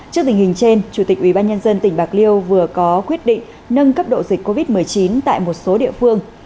trước tình hình trên chủ tịch ubnd tỉnh bạc liêu vừa có quyết định nâng cấp độ dịch covid một mươi chín tại một số địa phương